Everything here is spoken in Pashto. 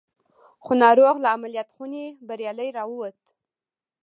خو ناروغ له عملیات خونې بریالی را وووت